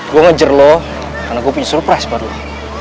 gue ngejer lo karena gue punya surprise buat lo